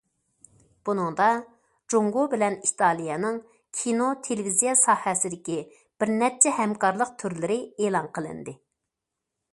بۇنىڭدا، جۇڭگو بىلەن ئىتالىيەنىڭ كىنو- تېلېۋىزىيە ساھەسىدىكى بىر نەچچە ھەمكارلىق تۈرلىرى ئېلان قىلىندى.